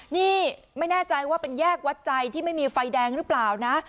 นี่ไม่แน่ใจว่าเป็นแยกวัดใจที่ไม่มีไฟแดงหรือเปล่านะ